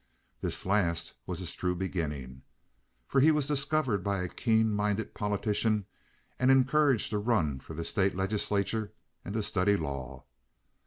This last was his true beginning, for he was discovered by a keen minded politician and encouraged to run for the state legislature and to study law.